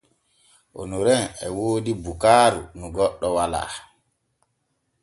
Onorin e woodi bukaaru nu goɗɗo walaa.